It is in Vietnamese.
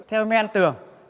theo men tường